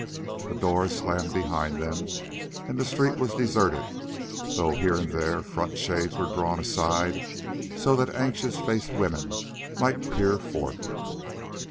The doors slammed behind them, and the street was deserted, though here and there front shades were drawn aside so that anxious faced women might peer forth.